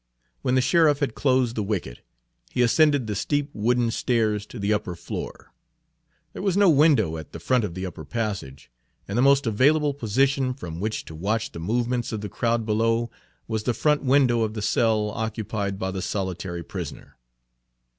When the sheriff had closed the wicket, he ascended the steep wooden stairs to the upper floor. There was no window at the front of the upper passage, and the most available position from which to watch the movements of the crowd below was the front window of the cell occupied by the solitary prisoner.